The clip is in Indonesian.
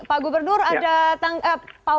pak gubernur ada tanggapan